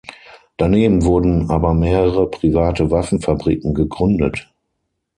Daneben wurden aber mehrere private Waffenfabriken gegründet.